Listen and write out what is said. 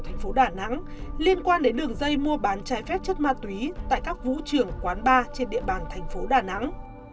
thành phố đà nẵng liên quan đến đường dây mua bán trái phép chất ma túy tại các vũ trường quán bar trên địa bàn thành phố đà nẵng